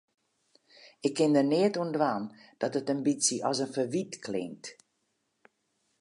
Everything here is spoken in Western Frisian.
Ik kin der neat oan dwaan dat it in bytsje as in ferwyt klinkt.